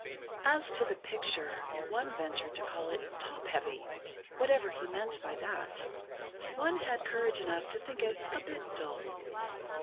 As to the picture, one ventured to call it "top heavy," whatever he meant by that. One had courage enough to think it "a bit dull."